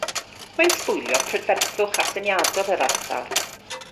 Mae'n sbwylio prydferthwch atyniadol yr ardal.